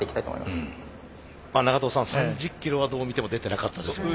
長藤さん３０キロはどう見ても出てなかったですよね。